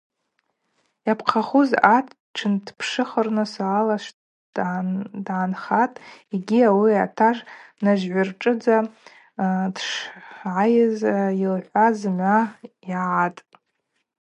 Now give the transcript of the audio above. Йапхъахуз атшын дпшыхвырныс алашв дгӏанхатӏ йгьи ауи атажв нажгӏвыршӏыдза дшгӏайыз, йылхӏваз зымгӏва йагӏатӏ.